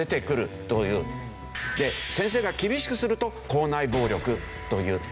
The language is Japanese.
で先生が厳しくすると校内暴力という。